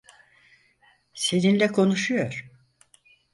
Seninle konuşuyor.